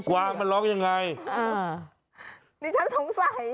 วางมันร้องยังไงอ่านี่ฉันสงสัย